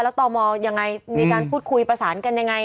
แล้วต่อมอยังไงมีการพูดคุยประสานกันยังไง